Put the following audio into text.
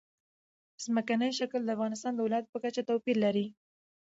ځمکنی شکل د افغانستان د ولایاتو په کچه توپیر لري.